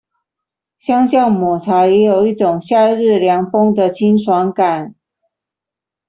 相較抹茶也有一種夏日涼風的清爽感